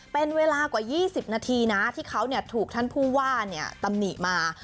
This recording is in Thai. เป็นเวลากว่า๒๐นาทีนะที่เขาถูกท่านผู้ว่าตำหนิมา